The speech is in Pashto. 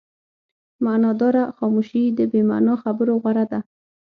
معناداره خاموشي د بې معنا خبرو غوره ده.